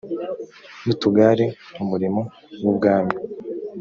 n utugare umurimo w ubwami